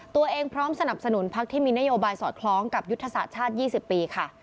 พร้อมสนับสนุนพักที่มีนโยบายสอดคล้องกับยุทธศาสตร์ชาติ๒๐ปีค่ะ